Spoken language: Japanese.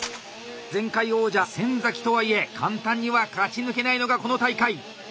前回王者・先とはいえ簡単には勝ち抜けないのがこの大会。